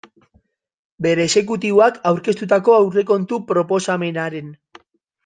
Bere exekutiboak aurkeztutako aurrekontu proposamenaren.